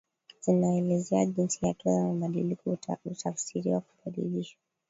zinaelezea jinsi hatua za mabadiliko hutafsiriwa kubadilishwa